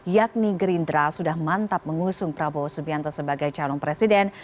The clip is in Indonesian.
yakni gerindra sudah mantap mengusung prabowo subianto sebagai calon presiden